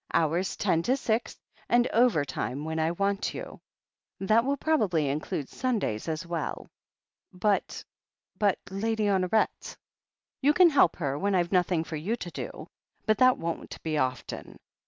Hours ten to six, and overtime when I want you. That will probably include Sundays as weU." "But— but— Lady Honoret. ..." "You can help her when I've nothing for you to do but that won't be often.